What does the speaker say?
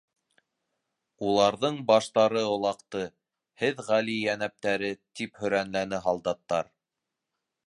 —Уларҙың баштары олаҡты, һеҙ Ғали Йәнәптәре, —тип һөрәнләне һалдаттар.